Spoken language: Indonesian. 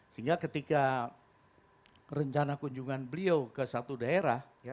sehingga ketika rencana kunjungan beliau ke satu daerah